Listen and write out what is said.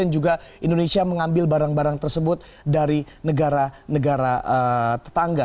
dan juga indonesia mengambil barang barang tersebut dari negara negara tetangga